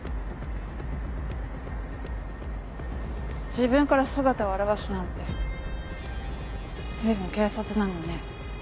自分から姿を現すなんて随分軽率なのね。